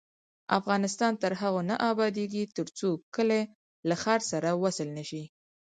افغانستان تر هغو نه ابادیږي، ترڅو کلي له ښار سره وصل نشي.